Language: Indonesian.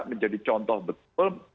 menjadi contoh betul